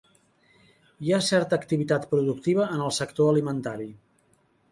Hi ha certa activitat productiva en el sector alimentari.